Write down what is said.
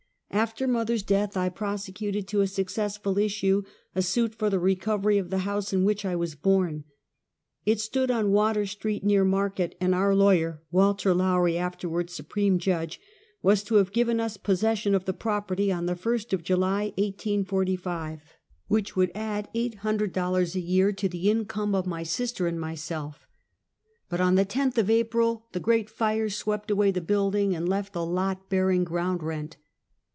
Aftee mother's death, I prosecuted to a successful issue a suit for the recovery of the house in which I was born. It stood on Water street, near Market, and our lawyer, Walter Lowrie, afterwards supreme judge, was to have given us possession of the property on the 1st of July, 1845, which would add eight hundred 102 Half a Century. dollars a year to the income of my sister and myself. But on the 10th of April, the great fire swept away the building and left a lot bearing ground rent.